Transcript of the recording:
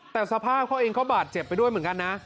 แต่สภาพเขาเองเขาบาดเจ็บไปด้วยเหมือนกันนะ